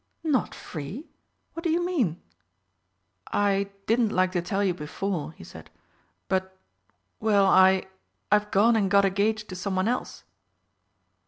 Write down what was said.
"Not free? What do you mean?" "I didn't like to tell you before," he said, "but well, I I've gone and got engaged to someone else."